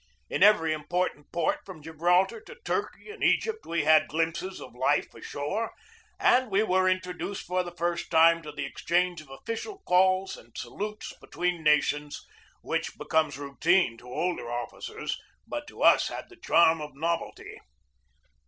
In every important port from Gibraltar to Turkey and Egypt we had glimpses of life ashore; and we were introduced for the first time to the ex change of official calls and salutes between nations, which becomes routine to older officers, but to us had the charm of novelty.